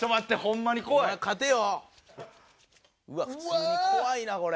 普通に怖いなこれ。